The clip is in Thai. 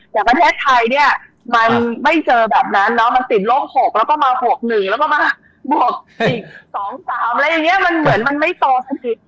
แต่ประเทศไทยมันไม่เจอแบบนั้นมาติดลบ๖แล้วก็มา๖๑แล้วก็มาบวก๑๐๒๓มันเหมือนไม่ต่อสถิติ